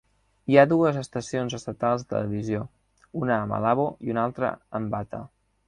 Hi ha dues estacions estatals de televisió, una a Malabo i uns altres en Bata.